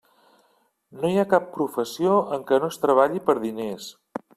No hi ha cap professió en què no es treballi per diners.